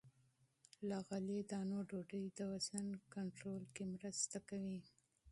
له غلې- دانو ډوډۍ د وزن کنټرول کې مرسته کوي.